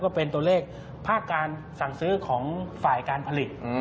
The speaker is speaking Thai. เป็นตัวเลขภาคการสั่งซื้อของฝ่ายการผลิต